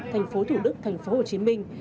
thành phố thủ đức thành phố hồ chí minh